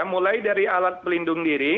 mulai dari alat pelindung diri